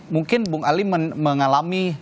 mungkin bung ali mengalami